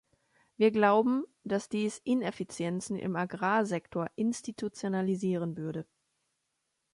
Wir glauben, dass dies Ineffizienzen im Agrarsektor institutionalisieren würde.